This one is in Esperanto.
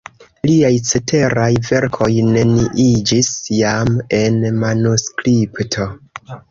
Liaj ceteraj verkoj neniiĝis jam en manuskripto.